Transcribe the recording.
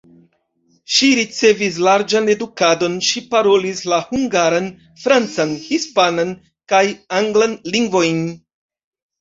Ŝi ricevis larĝan edukadon, ŝi parolis la hungaran, francan, hispanan kaj anglan lingvojn.